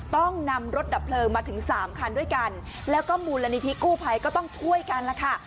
ต้องนำรถดับเพลิงมาถึงสามคันด้วยกันแล้วก็มูลนิธิกู้ภัยก็ต้องช่วยกันแล้วค่ะ